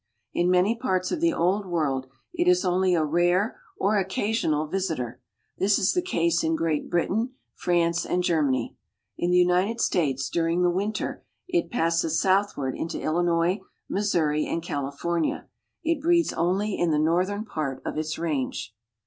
In many parts of the Old World it is only a rare or occasional visitor; this is the case in Great Britain, France and Germany." In the United States, during the winter, it passes southward into Illinois, Missouri and California. It breeds only in the northern part of its range.